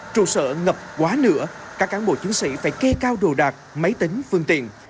trụ sở ngập quá nữa các cán bộ chiến sĩ phải kê cao đồ đạc máy tính phương tiện